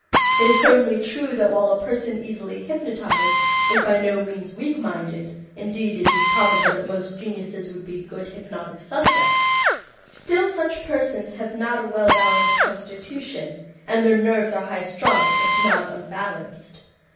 It is certainly true that while a person easily hypnotized is by no means weak minded (indeed, it is probable that most geniuses would be good hypnotic subjects), still such persons have not a well balanced constitution and their nerves are high strung if not unbalanced.